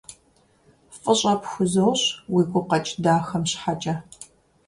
ФӀыщӀэ пхузощӀ уи гукъэкӀ дахэм щхьэкӀэ.